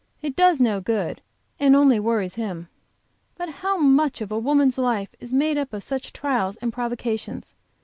It does no good, and only worries him. But how much of a woman's life is made up of such trials and provocations!